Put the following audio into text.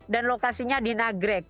dan lokasinya di nagreg